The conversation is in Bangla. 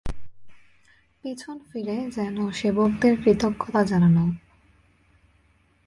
পেছন ফিরে যেন সেবকদের কৃতজ্ঞতা জানানো।